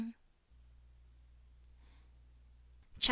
CHAP.